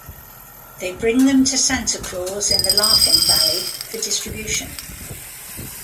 They bring them to Santa Claus in the Laughing Valley for distribution.